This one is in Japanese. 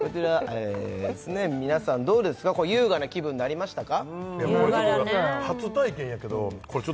皆さんどうですか優雅な気分になりましたか優雅だね